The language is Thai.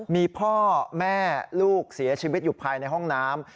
มีพ่อแม่ลูกเสียชีวิตอยู่ภายในห้องน้ำ